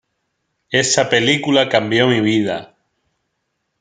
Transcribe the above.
Esa película cambió mi vida".